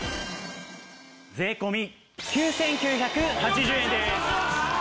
税込９９８０円です。